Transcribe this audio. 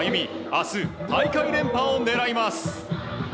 明日、大会連覇を狙います。